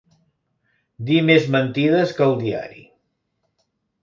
Dir més mentides que el diari.